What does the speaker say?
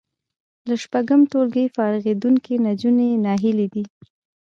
له شپږم ټولګي فارغېدونکې نجونې ناهیلې دي